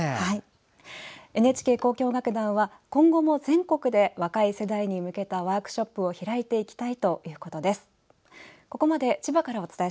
ＮＨＫ交響楽団は今後も全国で、若い世代に向けたワークショップを開いていきたいということです。